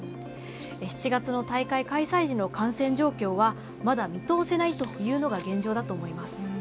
７月の大会開催時の感染状況はまだ見通せないというのが現状だと思います。